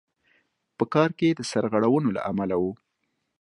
په کار کې د سرغړونو له امله وو.